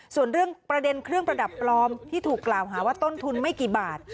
ส่วนเรื่องประเด็นเครื่องประดับปลอมที่ถูกกล่าวหาว่าต้นทุนไม่กี่บาท